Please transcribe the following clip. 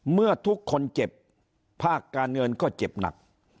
เมื่อทุกคนเจ็บภาคการเงินก็เจ็บหนัก